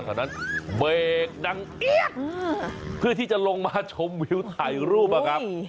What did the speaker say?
ตอนนั้นเบรกดังเอี๊ยดเพื่อที่จะลงมาชมวิวถ่ายรูปนะครับ